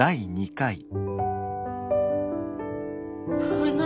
これ何？